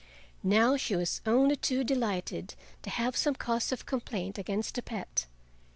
Now she was only too delighted to have some cause of complaint against the pet.